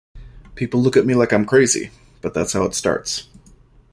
People look at me like I'm crazy, but that's how it starts.